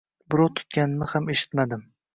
birov tutganini ham eshitmadim…